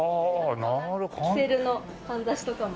キセルのかんざしとかも。